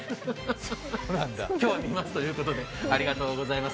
今日は見ますということでありがとうございます。